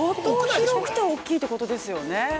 ◆広くて大きいということですよね。